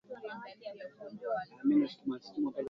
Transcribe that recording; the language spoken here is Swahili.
Waliandaa rasimu ya Katiba mpya ya Tanzania